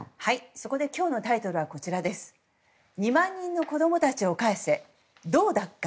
そこで今日のタイトルは２万人の子供たちを返せどう奪還？